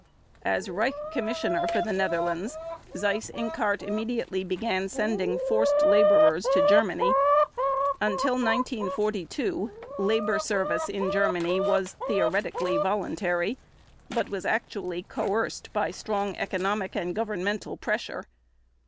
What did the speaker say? As Reich Commissioner for the Netherlands, Seyss Inquart immediately began sending forced laborers to Germany. Until 1942 labor service in Germany was theoretically voluntary, but was actually coerced by strong economic and governmental pressure.